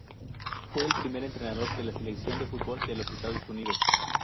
Fue el primer entrenador de la Selección de fútbol de los Estados Unidos.